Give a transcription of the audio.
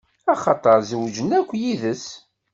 Axaṭer zewǧen akk yid-s.